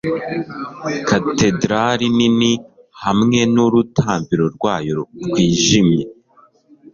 Katedrali nini hamwe nurutambiro rwayo rwijimye